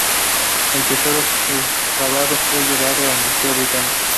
El tesoro excavado fue llevado al Museo Británico.